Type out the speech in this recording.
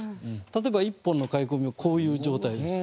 例えば１本の欠き込みをこういう状態です。